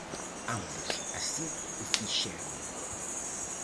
Ambos así o fixeron.